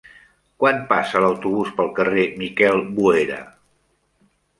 Quan passa l'autobús pel carrer Miquel Boera?